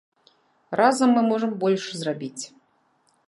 Разам мы можам больш зрабіць!